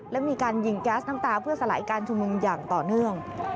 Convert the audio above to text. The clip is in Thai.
และมีการยิงแก๊สน้ำตาเพื่อสลายการชุมนุมอย่างต่อเนื่อง